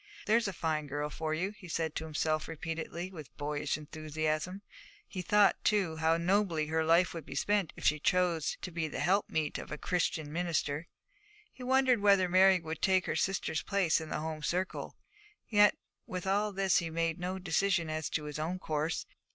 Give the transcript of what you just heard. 'There's a fine girl for you,' he said to himself repeatedly, with boyish enthusiasm. He thought, too, how nobly her life would be spent if she chose to be the helpmeet of a Christian minister. He wondered whether Mary could take her sister's place in the home circle. Yet with all this he made no decision as to his own course.